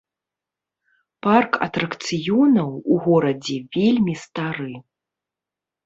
Парк атракцыёнаў у горадзе вельмі стары.